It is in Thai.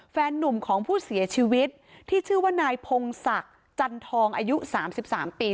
แฟนนุ่มของผู้เสียชีวิตที่ชื่อว่านายพงศักดิ์จันทองอายุ๓๓ปี